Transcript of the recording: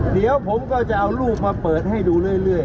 เดี๋ยวผมก็จะเอารูปมาเปิดให้ดูเรื่อย